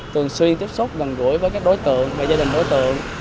thường xuyên tiếp xúc gần gũi với các đối tượng và gia đình đối tượng